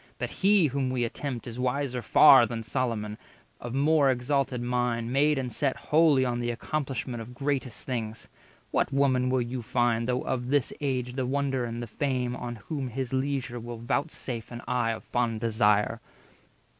But he whom we attempt is wiser far Than Solomon, of more exalted mind, Made and set wholly on the accomplishment Of greatest things. What woman will you find, Though of this age the wonder and the fame, On whom his leisure will voutsafe an eye 210 Of fond desire?